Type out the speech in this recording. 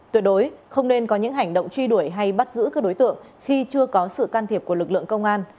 tuyệt đối không nên có những hành động truy đuổi hay bắt giữ các đối tượng khi chưa có sự can thiệp của lực lượng công an